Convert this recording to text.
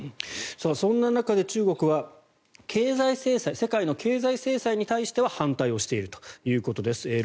そんな中で中国は世界の経済制裁に対して反対をしているということです。